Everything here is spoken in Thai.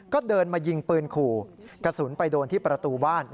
ก็เดินมายิงปืนขู่กระสุนไปโดนที่ประตูบ้าน